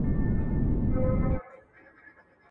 سوداګر د مهاراجا خاوري ته تللی شي.